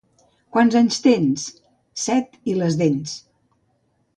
—Quants anys tens? —Set i les dents.